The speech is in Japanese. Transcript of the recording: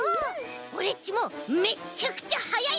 オレっちもめっちゃくちゃはやい